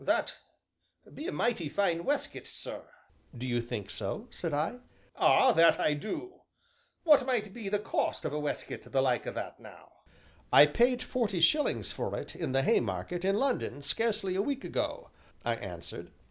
"That be a mighty fine weskit, sir!" "Do you think so?" said I. "Ah, that I do w'at might be the cost of a weskit the like o' that, now?" "I paid forty shillings for it, in the Haymarket, in London, scarcely a week ago," I answered.